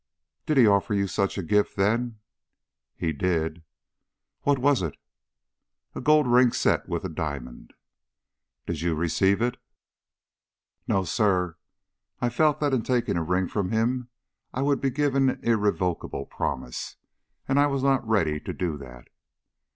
"Did he offer you such a gift then?" "He did." "What was it?" "A gold ring set with a diamond." "Did you receive it?" "No, sir. I felt that in taking a ring from him I would be giving an irrevocable promise, and I was not ready to do that."